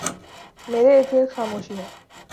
میرے اردگرد خاموشی ہے ۔